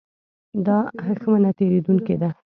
دا هښمه تېرېدونکې ده.